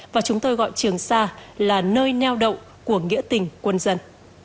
và chúng tôi gọi trường sa là nơi neo đậu của nghĩa tình quân dân